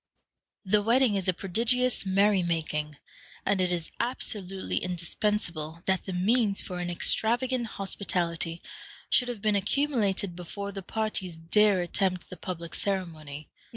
The wedding is a prodigious merry making, and it is absolutely indispensable that the means for an extravagant hospitality should have been accumulated before the parties dare attempt the public ceremony.